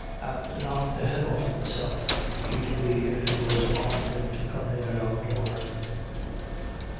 Apt to knock the head off himself he'd be if he was offerin' to come in at our door."